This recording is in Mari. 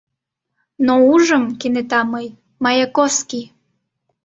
Но ужым кенета мый — Маяковский!